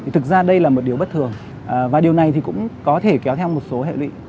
thực ra đây là một điều bất thường và điều này thì cũng có thể kéo theo một số hệ lụy